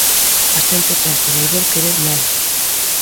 A xente ten que volver crer nela.